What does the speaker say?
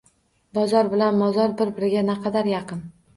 Bozor bilan Mozor bir-biriga naqadar yaqin!